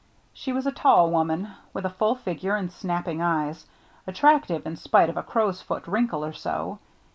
She was a tall woman, with a full figure and snapping eyes, — attractive, in spite of a crow's foot wrinkle or so.